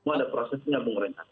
ada prosesnya bung renhat